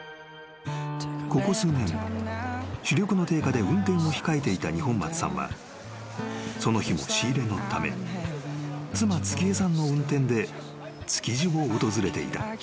［ここ数年視力の低下で運転を控えていた二本松さんはその日も仕入れのため妻月恵さんの運転で築地を訪れていた］